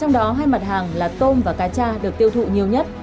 trong đó hai mặt hàng là tôm và cá cha được tiêu thụ nhiều nhất